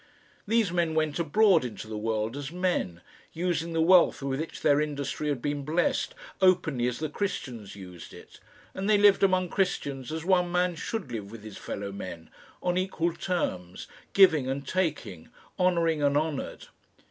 These men went abroad into the world as men, using the wealth with which their industry had been blessed, openly as the Christians used it. And they lived among Christians as one man should live with his fellow men on equal terms, giving and taking, honouring and honoured.